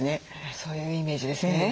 そういうイメージですね。